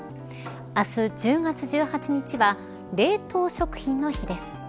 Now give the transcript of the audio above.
明日１０月１８日は冷凍食品の日です。